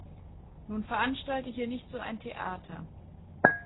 Nun veranstalte hier nicht so ein Theater.